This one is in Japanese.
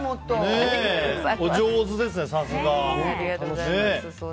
お上手ですね、さすが。